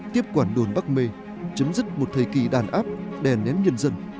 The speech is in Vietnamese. tiếp quản đồn bắc mê chấm dứt một thời kỳ đàn áp đè nén nhân dân